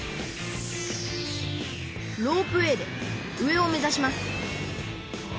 ロープウエーで上を目ざします